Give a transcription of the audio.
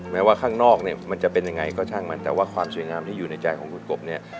ว่าข้างนอกเนี่ยมันจะเป็นยังไงก็ช่างมันแต่ว่าความสวยงามที่อยู่ในใจของคุณกบเนี่ย